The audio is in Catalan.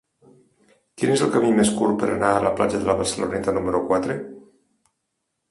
Quin és el camí més curt per anar a la platja de la Barceloneta número quatre?